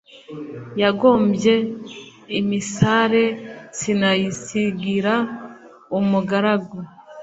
yangombye imisare sinayisigira umugaragu.